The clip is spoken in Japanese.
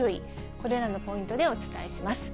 これらのポイントでお伝えします。